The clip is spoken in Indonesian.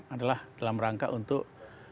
adalah dalam rangka untuk